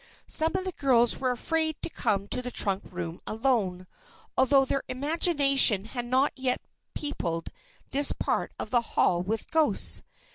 Some of the girls were afraid to come to the trunk room alone, although their imagination had not yet peopled this part of the Hall with ghosts.